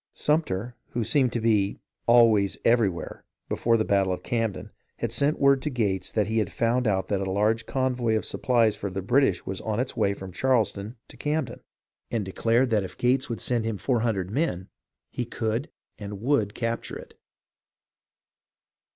Sumter, who seemed to be " always everywhere " before the battle of Camden, had sent word to Gates that he had found out that a large convoy of supplies for the British was on its way from Charleston for Camden, and declared THE STRUGGLE IN THE SOUTH 329 that if Gates would send him four hundred men, he could and would capture it.